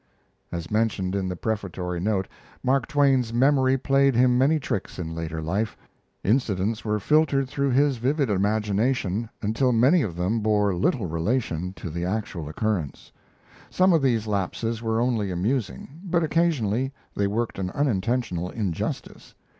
[As mentioned in the Prefatory Note, Mark Twain's memory played him many tricks in later life. Incidents were filtered through his vivid imagination until many of them bore little relation to the actual occurrence. Some of these lapses were only amusing, but occasionally they worked an unintentional injustice.